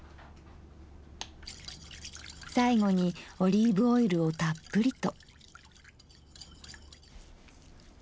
最後にオリーブオイルをたっぷりと。